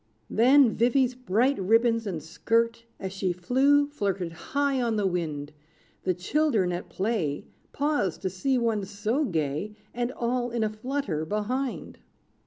Then Vivy's bright ribbons and skirt, As she flew, flirted high on the wind; The children at play, Paused to see one so gay, And all in a flutter behind.